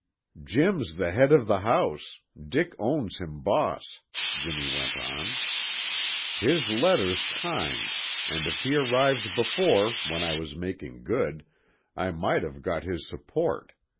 "Jim's the head of the house; Dick owns him boss," Jimmy went on. "His letter's kind, and if he'd arrived before, when I was making good, I might have got his support.